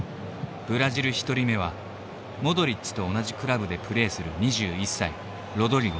ブラジル１人目はモドリッチと同じクラブでプレーする２１歳ロドリゴ。